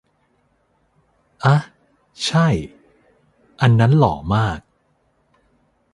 อ๊ะ ใช่ อันนั้นหล่อมาก